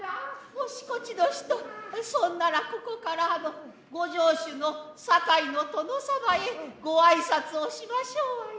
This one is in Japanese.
もしこちの人そんならここからあのご城主の酒井の殿様へごあいさつをしましょうわいな。